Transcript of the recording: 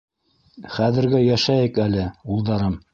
Хәҙергә йәшәйек әле, улдарым.